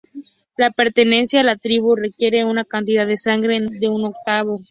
La pertenencia a la tribu requiere una cantidad de sangre de un octavo.